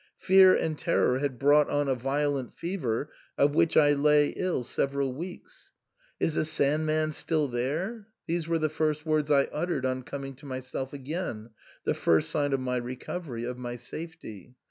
Fear and terror had brought on a violent fever, of which I lay ill several weeks. Is the Sand man still there ?" these were the first words I uttered on coming to myself again, the first sign of my recovery, of my safety.